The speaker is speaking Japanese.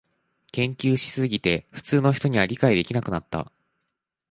研究しすぎて普通の人には理解できなくなった